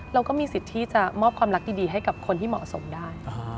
เราก็มีสิทธิ์ที่จะมอบความรักดีให้กับคนที่เหมาะสมได้